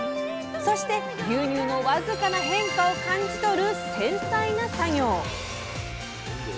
そして牛乳の僅かな変化を感じ取る繊細な作業。